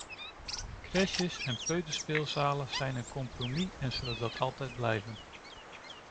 Crèches en peuterspeelzalen zijn een compromis en zullen dat altijd blijven.